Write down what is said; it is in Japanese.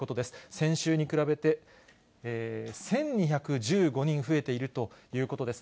先週に比べて１２１５人増えているということです。